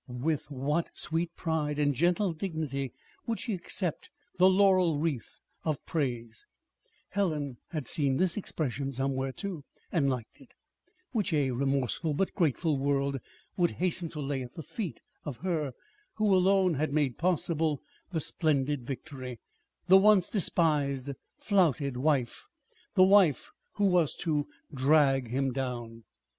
With what sweet pride and gentle dignity would she accept the laurel wreath of praise (Helen had seen this expression somewhere, too, and liked it), which a remorseful but grateful world would hasten to lay at the feet of her who alone had made possible the splendid victory the once despised, flouted wife the wife who was to drag him down!